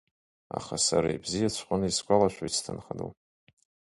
Аха сара ибзиаҵәҟьаны исгәалашәоит сҭынха ду…